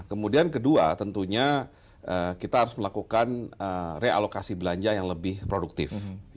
kemudian kedua tentunya kita harus melakukan realokasi belanja yang lebih produktif